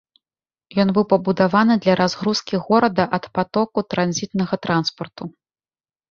Ён быў пабудаваны для разгрузкі горада ад патоку транзітнага транспарту.